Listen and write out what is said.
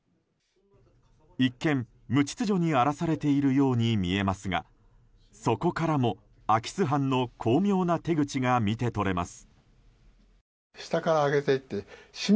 一見、無秩序に荒らされているように見えますがそこからも空き巣犯の巧妙な手口が見て取れます。